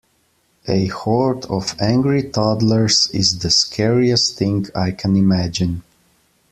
A horde of angry toddlers is the scariest thing I can imagine.